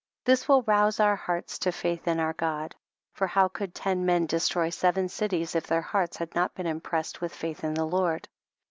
This will rouse our hearts to faith in our God ; for how could ten men destroy seven cities, if their hearts had not been impressed with faith in the Lord